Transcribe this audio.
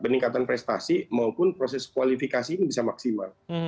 peningkatan prestasi maupun proses kualifikasi ini bisa maksimal